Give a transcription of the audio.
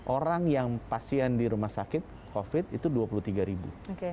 orang yang pasien di rumah sakit covid itu dua puluh tiga ribu